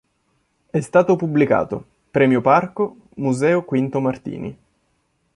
È stato pubblicato: Premio Parco museo Quinto Martini.